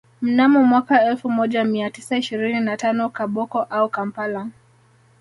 Mnamo mwaka elfu moja mia tisa ishirini na tano Koboko au Kampala